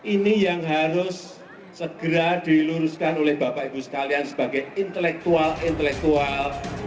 ini yang harus segera diluruskan oleh bapak ibu sekalian sebagai intelektual intelektual